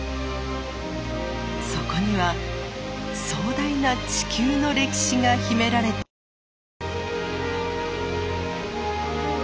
そこには壮大な地球の歴史が秘められていました。